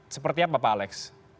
seperti apa pak alex